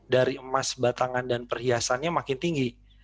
dari emas batangan dan perhiasannya makin tinggi